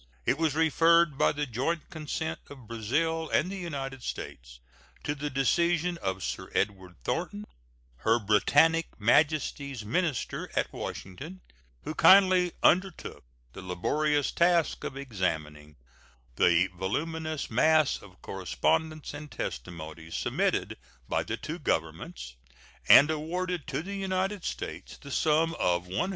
It was referred, by the joint consent of Brazil and the United States, to the decision of Sir Edward Thornton, Her Britannic Majesty's minister at Washington, who kindly undertook the laborious task of examining the voluminous mass of correspondence and testimony submitted by the two Governments, and awarded to the United States the sum of $100,740.